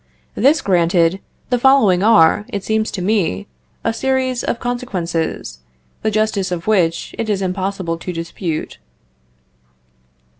This granted, the following are, it seems to me, a series of consequences, the justice of which it is impossible to dispute.